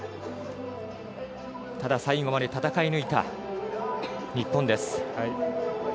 ただ最後まで戦い抜いた日本です。